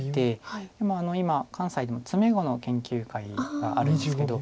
今関西でも詰碁の研究会があるんですけど。